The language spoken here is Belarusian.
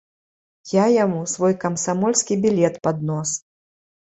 Я яму свой камсамольскі білет пад нос.